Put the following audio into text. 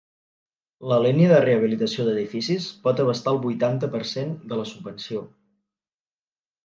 La línia de rehabilitació d’edificis pot abastar el vuitanta per cent de la subvenció.